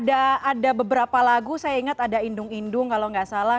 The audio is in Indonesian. ada beberapa lagu saya ingat ada indung indung kalau nggak salah